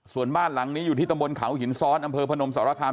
ส่วนบ้านหลังนี้อยู่ที่ตำบลเขาหินซ้อนอำเภอพนมสรคาม